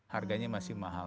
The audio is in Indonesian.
harganya masih mahal